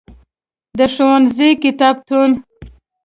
د ښوونځی کتابتون.